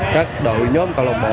các đội nhóm cộng đồng bộ